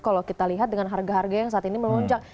kalau kita lihat dengan harga harga yang saat ini melonjak